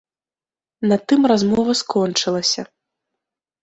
На тым размова скончылася.